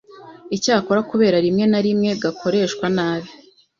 Icyakora kubera rimwe na rimwe gakoreshwa nabi,